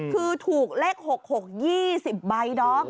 คือถูกเลข๖๖๒๐ใบดอม